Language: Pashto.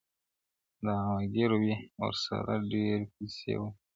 دعوه ګیر وي ور سره ډېري پیسې وي,